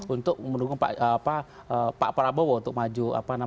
untuk mendukung pak parbowo untuk maju dua ribu sembilan belas